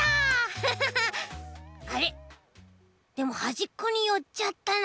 フフフあれでもはじっこによっちゃったな。